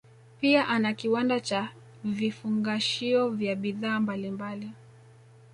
Pia ana kiwanda cha vifungashio vya bidhaa mbalimbali